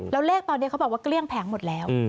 แล้วเลขตอนนี้เขาบอกว่าเกลี้ยงแผงหมดแล้ว